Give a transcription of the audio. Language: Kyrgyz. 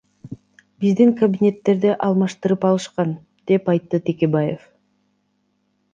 Биздин кабинеттерди алмаштырып алышкан, — деп айтты Текебаев.